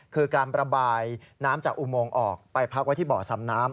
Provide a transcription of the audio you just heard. คือการประบายน้ำจากอุโมงออกไปพักไว้ที่บ่อสำน้ำ